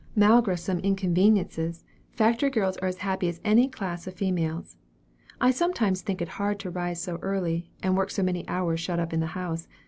"Malgre some inconveniences, factory girls are as happy as any class of females. I sometimes think it hard to rise so early, and work so many hours shut up in the house.